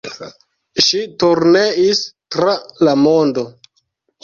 Ŝi turneis tra la mondo.